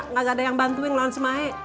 gak ada yang bantuin ngelawan semae